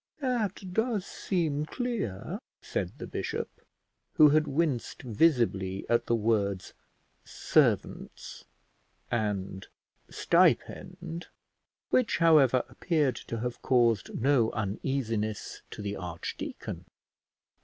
"That does seem clear," said the bishop, who had winced visibly at the words servants and stipend, which, however, appeared to have caused no uneasiness to the archdeacon.